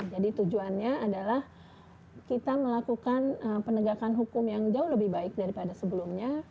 jadi tujuannya adalah kita melakukan penegakan hukum yang jauh lebih baik daripada sebelumnya